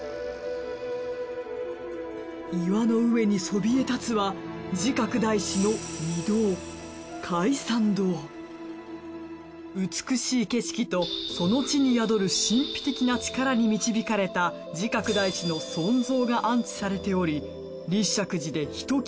岩の上にそびえ立つは美しい景色とその地に宿る神秘的な力に導かれた慈覚大師の尊像が安置されており立石寺でひと際